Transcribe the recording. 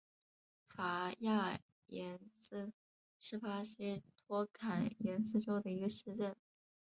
戈亚廷斯是巴西托坎廷斯州的一个市镇。